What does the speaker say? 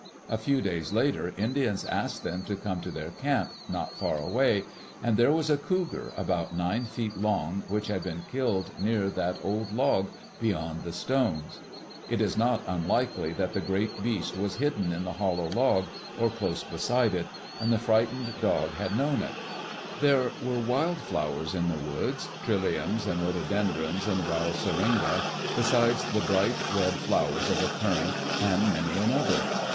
A few days later, Indians asked them to come to their camp, not far away, and there was a cougar about nine feet long which had been killed near that old log beyond the stones. It is not unlikely that the great beast was hidden in the hollow log, or close beside it, and the frightened dog had known it. Digitized by CjOOQ IC THE LIFE OF THE CHILDREN There were wild flowers in the woods — trilliums and rhododendrons and wild syringa, besides the bright red flowers of the currant, and many another.